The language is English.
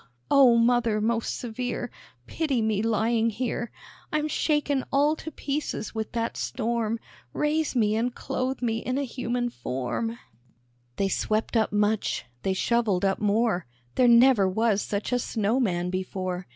Oh, Mother, most severe! Pity me lying here, I'm shaken all to pieces with that storm, Raise me and clothe me in a human form." They swept up much, they shovelled up more, There never was such a snow man before!